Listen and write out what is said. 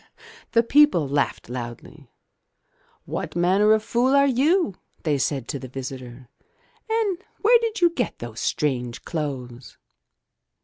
'* The people all laughed loudly. "What manner of fool are you?'* they said to the visitor, "and where did you get those strange clothes?"